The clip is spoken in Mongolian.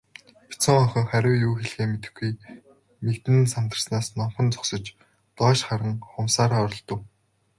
Бяцхан охин хариу юу хэлэхээ мэдэхгүй, мэгдэн сандарснаас номхон зогсож, доош харан хумсаараа оролдов.